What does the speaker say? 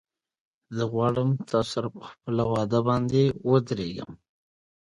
The stories were written with the permission and cooperation of Funcom.